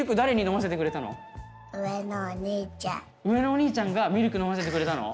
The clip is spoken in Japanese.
上のお兄ちゃんがミルク飲ませてくれたの？